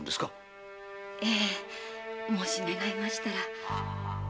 ええもし願えましたら。